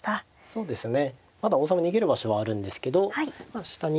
そうですね。